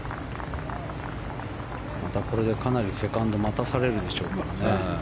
またこれでかなりセカンド待たされるでしょうからね。